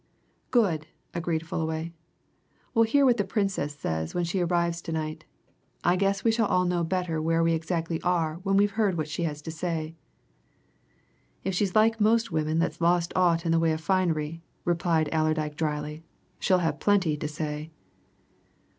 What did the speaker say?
"Good!" agreed Fullaway. "We'll hear what the Princess says when she arrives to night. I guess we shall all know better where we exactly are when we've heard what she has to say." "If she's like most women that's lost aught in the way of finery," remarked Allerdyke drily, "she'll have plenty to say."